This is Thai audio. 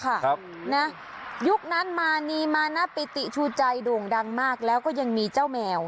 ครับนะยุคนั้นมานีมานะปิติชูใจโด่งดังมากแล้วก็ยังมีเจ้าแมว